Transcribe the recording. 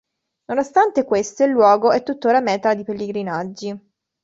Nonostante questo il luogo è tuttora meta di pellegrinaggi.